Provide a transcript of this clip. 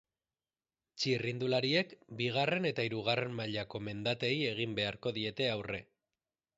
Txirrindulariek bigarren eta hirugarren mailako mendateei egin beharko diete aurre.